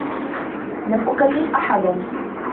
لم أكلّم أحدا.